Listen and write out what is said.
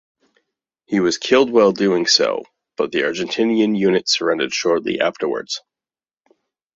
He was killed while doing so but the Argentinian unit surrendered shortly afterwards.